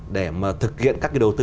để mà thực hiện các cái đầu tư